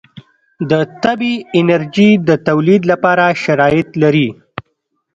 د طبعي انرژي د تولید لپاره شرایط لري.